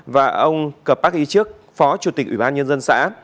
và ông cập bắc ý trước phó chủ tịch ủy ban nhân dân xã